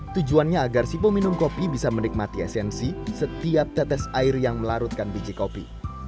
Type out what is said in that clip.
tujuannya agar si peminum kopi bisa menikmati esensi setiap tetes air yang melarutkan biji kopi